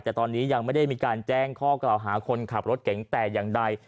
แต่ตอนนี้ยังไม่ได้มีการแจ้งข้อกล่าวหาคนขับรถเก๋งแต่อย่างใด